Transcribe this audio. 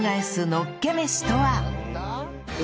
のっけ飯とは？